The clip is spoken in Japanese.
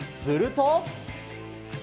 すると。